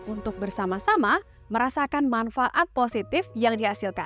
untuk bersama sama merasakan manfaat positif yang dihasilkan